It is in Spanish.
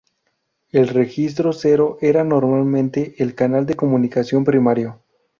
El registro cero era normalmente el canal de comunicación primario.